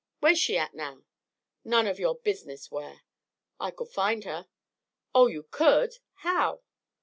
Where's she at now?" "None of your business where." "I could find her." "Oh, you could! How?"